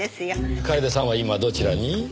楓さんは今どちらに？